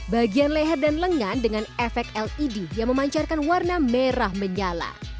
bagian leher dan lengan dengan efek led yang memancarkan warna merah menyala